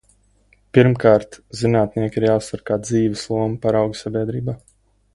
Pirmkārt, zinātnieki ir jāuztver kā dzīves lomu paraugi sabiedrībā.